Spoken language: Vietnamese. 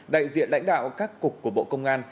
đại diện lãnh đạo các cục của bộ công an